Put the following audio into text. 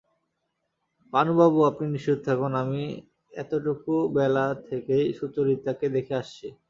পানুবাবু, আপনি নিশ্চিত থাকুন, আমি এতটুকুবেলা থেকেই সুচরিতাকে দেখে আসছি।